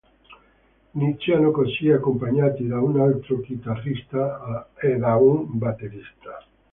Iniziano così, accompagnati da un altro chitarrista e da un batterista.